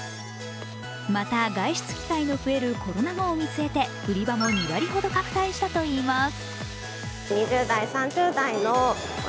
また、外出機会の増えるコロナ後を見据えて売り場も２割ほど拡大したといいます。